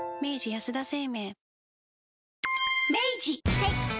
はい。